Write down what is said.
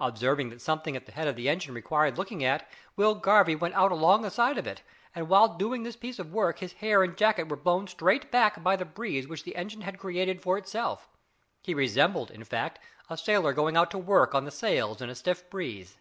Observing that something at the head of the engine required looking after, Will Garvie went out along the side of it, and while doing this piece of work his hair and jacket were blown straight back by the breeze which the engine had created for itself. He resembled, in fact, a sailor going out to work on the sails in a stiff breeze.